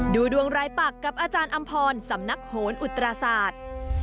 ดูดวงรายปักกับอาจารย์อำพรสำนักโหนอุตราศาสตร์